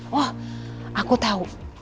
wah aku tahu